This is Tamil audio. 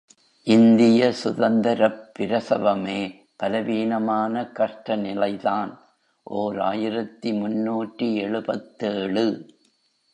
இந்திய சுதந்தரப் பிரசவமே பலவீனமான கஷ்ட நிலைதான்! ஓர் ஆயிரத்து முன்னூற்று எழுபத்தேழு.